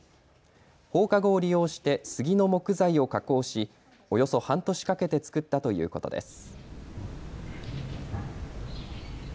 放課後を利用して杉の木材を加工し、およそ半年かけて作ったということです。